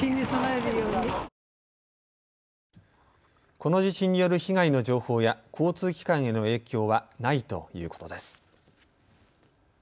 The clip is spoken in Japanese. この地震による被害の情報や交通機関への影響はないということです。